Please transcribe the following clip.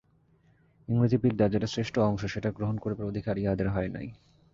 ইংরেজি বিদ্যার যেটা শ্রেষ্ঠ অংশ সেটা গ্রহণ করিবার অধিকার ইহাদের হয় নাই।